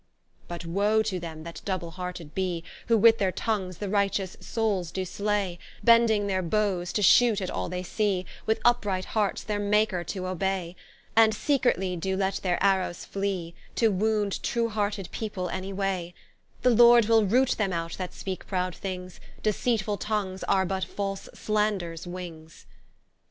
But woe to them that double hearted bee, Who with their tongues the righteous Soules doe slay; Bending their bowes to shoot at all they see, With vpright hearts their Maker to obay; And secretly doe let their arrowes flee, To wound true hearted people any way: The Lord wil roote them out that speake prowd things, Deceitfull tongues are but false Slanders wings.